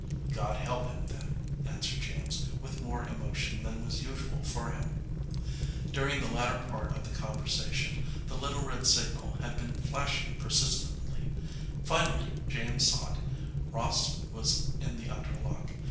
"God help him then," answered James, with more emotion than was usual for him. During the latter part of the conversation, the little red signal had been flashing persistently. Finally James saw it. Ross was in the outer lock.